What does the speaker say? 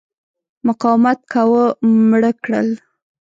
مقاومت کاوه مړه کړل.